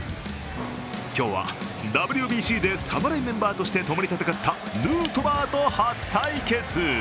今日はＷＢＣで侍メンバーとしてともに戦ったヌートバーと初対決！